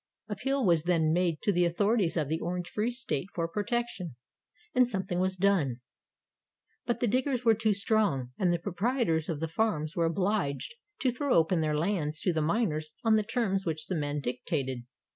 Appeal was then made to the authorities of the Orange Free State for protection; — and something was done. But the diggers were too strong, and the proprietors of the farms were obliged to throw open their lands to the miners on the terms which the men dictated.